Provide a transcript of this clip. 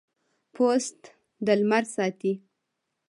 پوست د لمر ساتي.